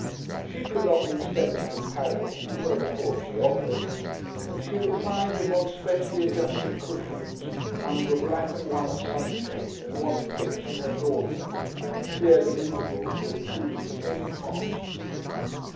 She could not be expected to paddle (though, of course, she "offered") and she reclined upon specially adjusted cushions under a black and white sunshade and watched Kipps and her daughter, and feared at intervals that Coote was getting hot.